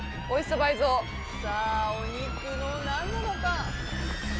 さあお肉の何なのか？